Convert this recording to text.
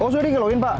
oh sudah dikilowin pak